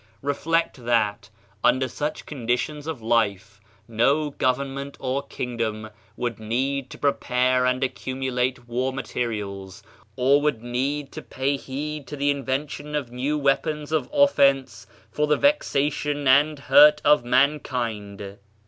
Reflect that, under such conditions of life, no government or kingdom would need to prepare and accumulate war materials, or would need to pay heed to the invention of new weapons of of fence for the vexation and hurt of mankind.